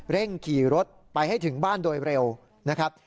ขี่รถไปให้ถึงบ้านโดยเร็วนะครับ